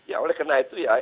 ya oleh karena itu ya